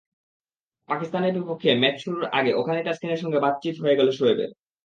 পাকিস্তানের বিপক্ষে ম্যাচ শুরুর আগে ওখানেই তাসকিনের সঙ্গে বাতচিত হয়ে গেল শোয়েবের।